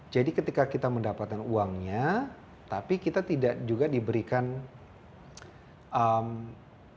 jadi ketika kita mendapatkan uangnya tapi kita tidak juga diberikan ilmu